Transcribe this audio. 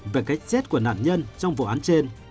về cái chết của nạn nhân trong vụ án trên